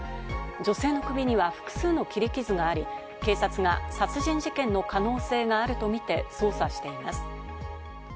女性の首には複数の切り傷があり、警察が殺人事件の可能性があるとみて捜査しています。